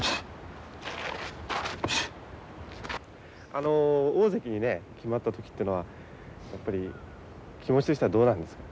あの大関にね決まった時ってのはやっぱり気持ちとしてはどうなんですか。